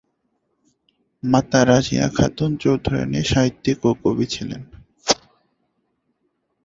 মাতা রাজিয়া খাতুন চৌধুরাণী সাহিত্যিক ও কবি ছিলেন।